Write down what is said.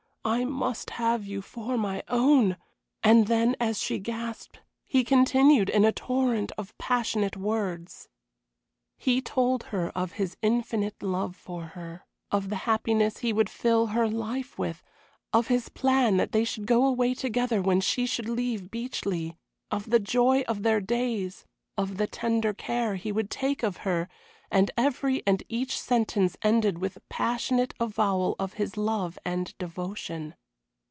I must have you for my own " and then, as she gasped, he continued in a torrent of passionate words. He told her of his infinite love for her; of the happiness he would fill her life with; of his plan that they should go away together when she should leave Beechleigh; of the joy of their days; of the tender care he would take of her; and every and each sentence ended with a passionate avowal of his love and devotion.